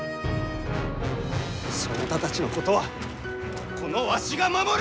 そなたたちのことはこのわしが守る。